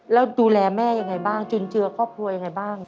แล้วดูแลแม่ยังไงบ้างจุนเจือครอบครัวยังไงบ้าง